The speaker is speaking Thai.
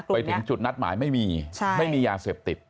ไปถึงจุดนัดหมายไม่มีไม่มียาเสพติด